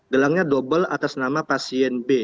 gelangnya double atas nama pasien b